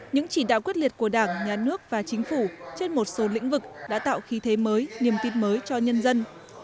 những chỉ đạo quyết liệt của đảng nhà nước và chính phủ trên một số lĩnh vực đã tạo khí thế mới niềm tin mới cho nhân dân